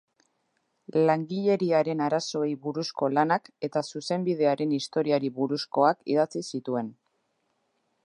Langileriaren arazoei buruzko lanak eta Zuzenbidearen historiari buruzkoak idatzi zituen.